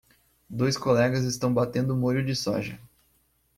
Dois colegas estão batendo molho de soja